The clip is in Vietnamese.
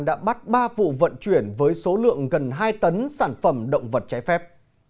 đã bắt ba vụ vận chuyển với số lượng gần hai tấn sản phẩm động vật trái phép